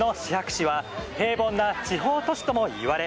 市は平凡な地方都市ともいわれ